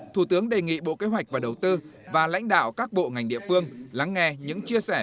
thủ tướng đề nghị bộ kế hoạch và đầu tư và lãnh đạo các bộ ngành địa phương lắng nghe những chia sẻ